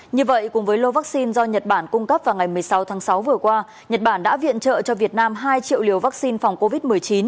như vậy cùng với lô vaccine do nhật bản cung cấp vào ngày một mươi sáu tháng sáu vừa qua nhật bản đã viện trợ cho việt nam hai triệu liều vaccine phòng covid một mươi chín